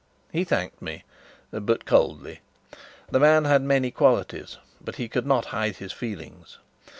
He thanked me, but coldly. The man had many qualities, but he could not hide his feelings.